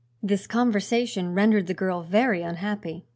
This conversation rendered the girl very unhappy.